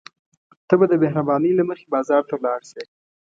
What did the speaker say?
ته به د مهربانۍ له مخې بازار ته ولاړ شې.